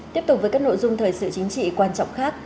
tiếp tục với các nội dung thời sự chính trị quan trọng khác